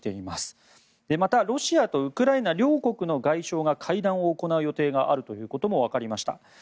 また、ロシアとウクライナ両国の外相が会談を行う予定があることもわかりました。